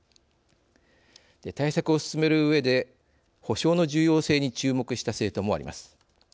対策を進めるうえで補償の重要性に注目した政党もあります。